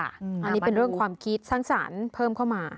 อันนี้เป็นเรื่องความคิดสร้างสรรค์เพิ่มเข้ามา